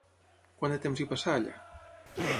Quant de temps hi passa allà?